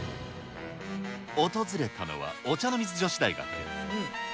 訪れたのは、お茶の水女子大学。